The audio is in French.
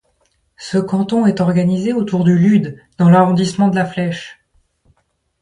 Ce canton est organisé autour du Lude dans l'arrondissement de La Flèche.